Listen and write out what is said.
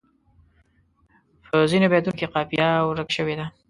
په ځینو بیتونو کې قافیه ورکه شوې ده.